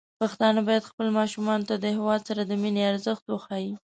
پښتانه بايد خپل ماشومان ته د هيواد سره د مينې ارزښت وښيي.